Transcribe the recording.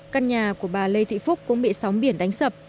căn nhà của bà lê thị phúc cũng bị sóng biển đánh sập